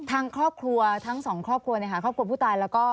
ทางครอบครัวทั้งสองครอบครัวครอบครัวผู้ตายแล้วก็